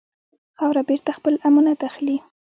خاوره بېرته خپل امانت اخلي.